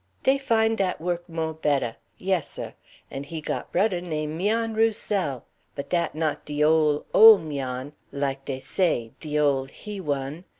Dey fine dat wuck mo' betteh. Yes, seh. An' he got bruddeh name' 'Mian Roussel. But dat not de ole, ole 'Mian like dey say de ole he one.